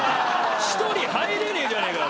１人入れねえじゃねえかよ。